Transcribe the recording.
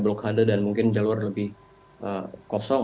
blokade dan mungkin jalur lebih kosong